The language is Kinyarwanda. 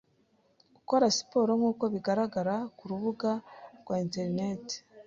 gukora siporo nk’uko bigaragara ku rubuga rwa Internet